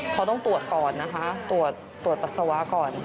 เขาต้องตรวจก่อนนะคะตรวจปัสสาวะก่อน